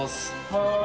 はい。